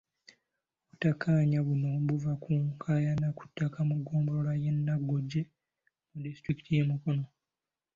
Obutakkaanya buno buva ku nkaayana ku ttaka mu ggombolola y'e Naggoje mu disitulikiti y'e Mukono.